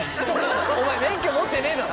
お前免許持ってねえだろ。